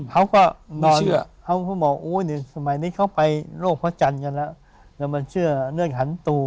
เขาก็นอนครับเขามึงบอกโอ้ยสมัยนี้เขาไปโลกพระจันทร์กันเค้ามาเชื่อเรื่องหันตู